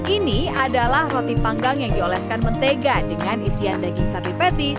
ini adalah roti panggang yang dioleskan mentega dengan isian daging sate patty